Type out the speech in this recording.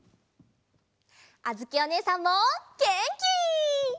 あづきおねえさんもげんき！